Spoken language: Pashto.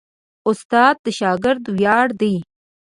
استاد د شاګرد ویاړ دی.